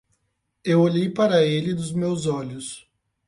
Eu olhei para ele dos meus olhos.